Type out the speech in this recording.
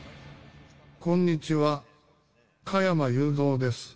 こんにちは、加山雄三です。